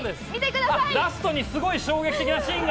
ラストにすごい衝撃的なシーンが。